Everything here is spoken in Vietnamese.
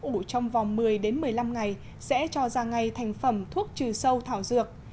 ủ trong vòng một mươi một mươi năm ngày sẽ cho ra ngay thành phẩm thuốc trừ sâu thảo dược